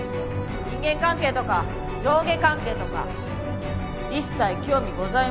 人間関係とか上下関係とか一切興味ございません。